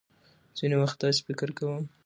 ځينې وخت داسې فکر کوم .